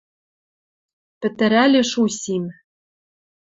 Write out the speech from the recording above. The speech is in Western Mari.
Пӹтӹрӓлеш усим